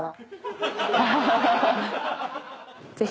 ぜひ。